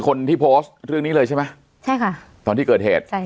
คนที่โพสต์เรื่องนี้เลยใช่ไหมใช่ค่ะตอนที่เกิดเหตุใช่